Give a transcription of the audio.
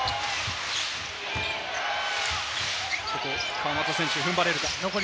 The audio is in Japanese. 川真田選手、踏ん張れるか？